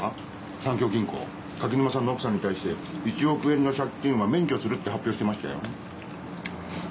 三協銀行垣沼さんの奥さんに対して１億円の借金は免除するって発表してましたよ。